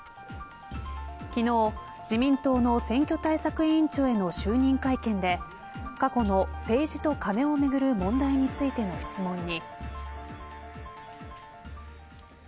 昨日、自民党の選挙対策委員長への就任会見で過去の、政治とカネをめぐる問題についての質問に。